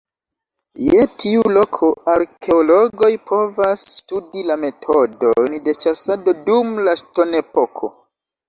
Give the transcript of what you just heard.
Je tiu loko arkeologoj povas studi la metodojn de ĉasado dum la ŝtonepoko.